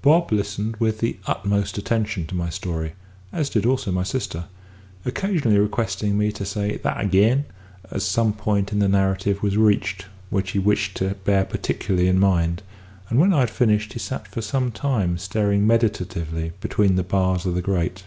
Bob listened with the utmost attention to my story (as did also my sister), occasionally requesting me to "say that ag'in," as some point in the narrative was reached which he wished to bear particularly in mind; and when I had finished he sat for some time staring meditatively between the bars of the grate.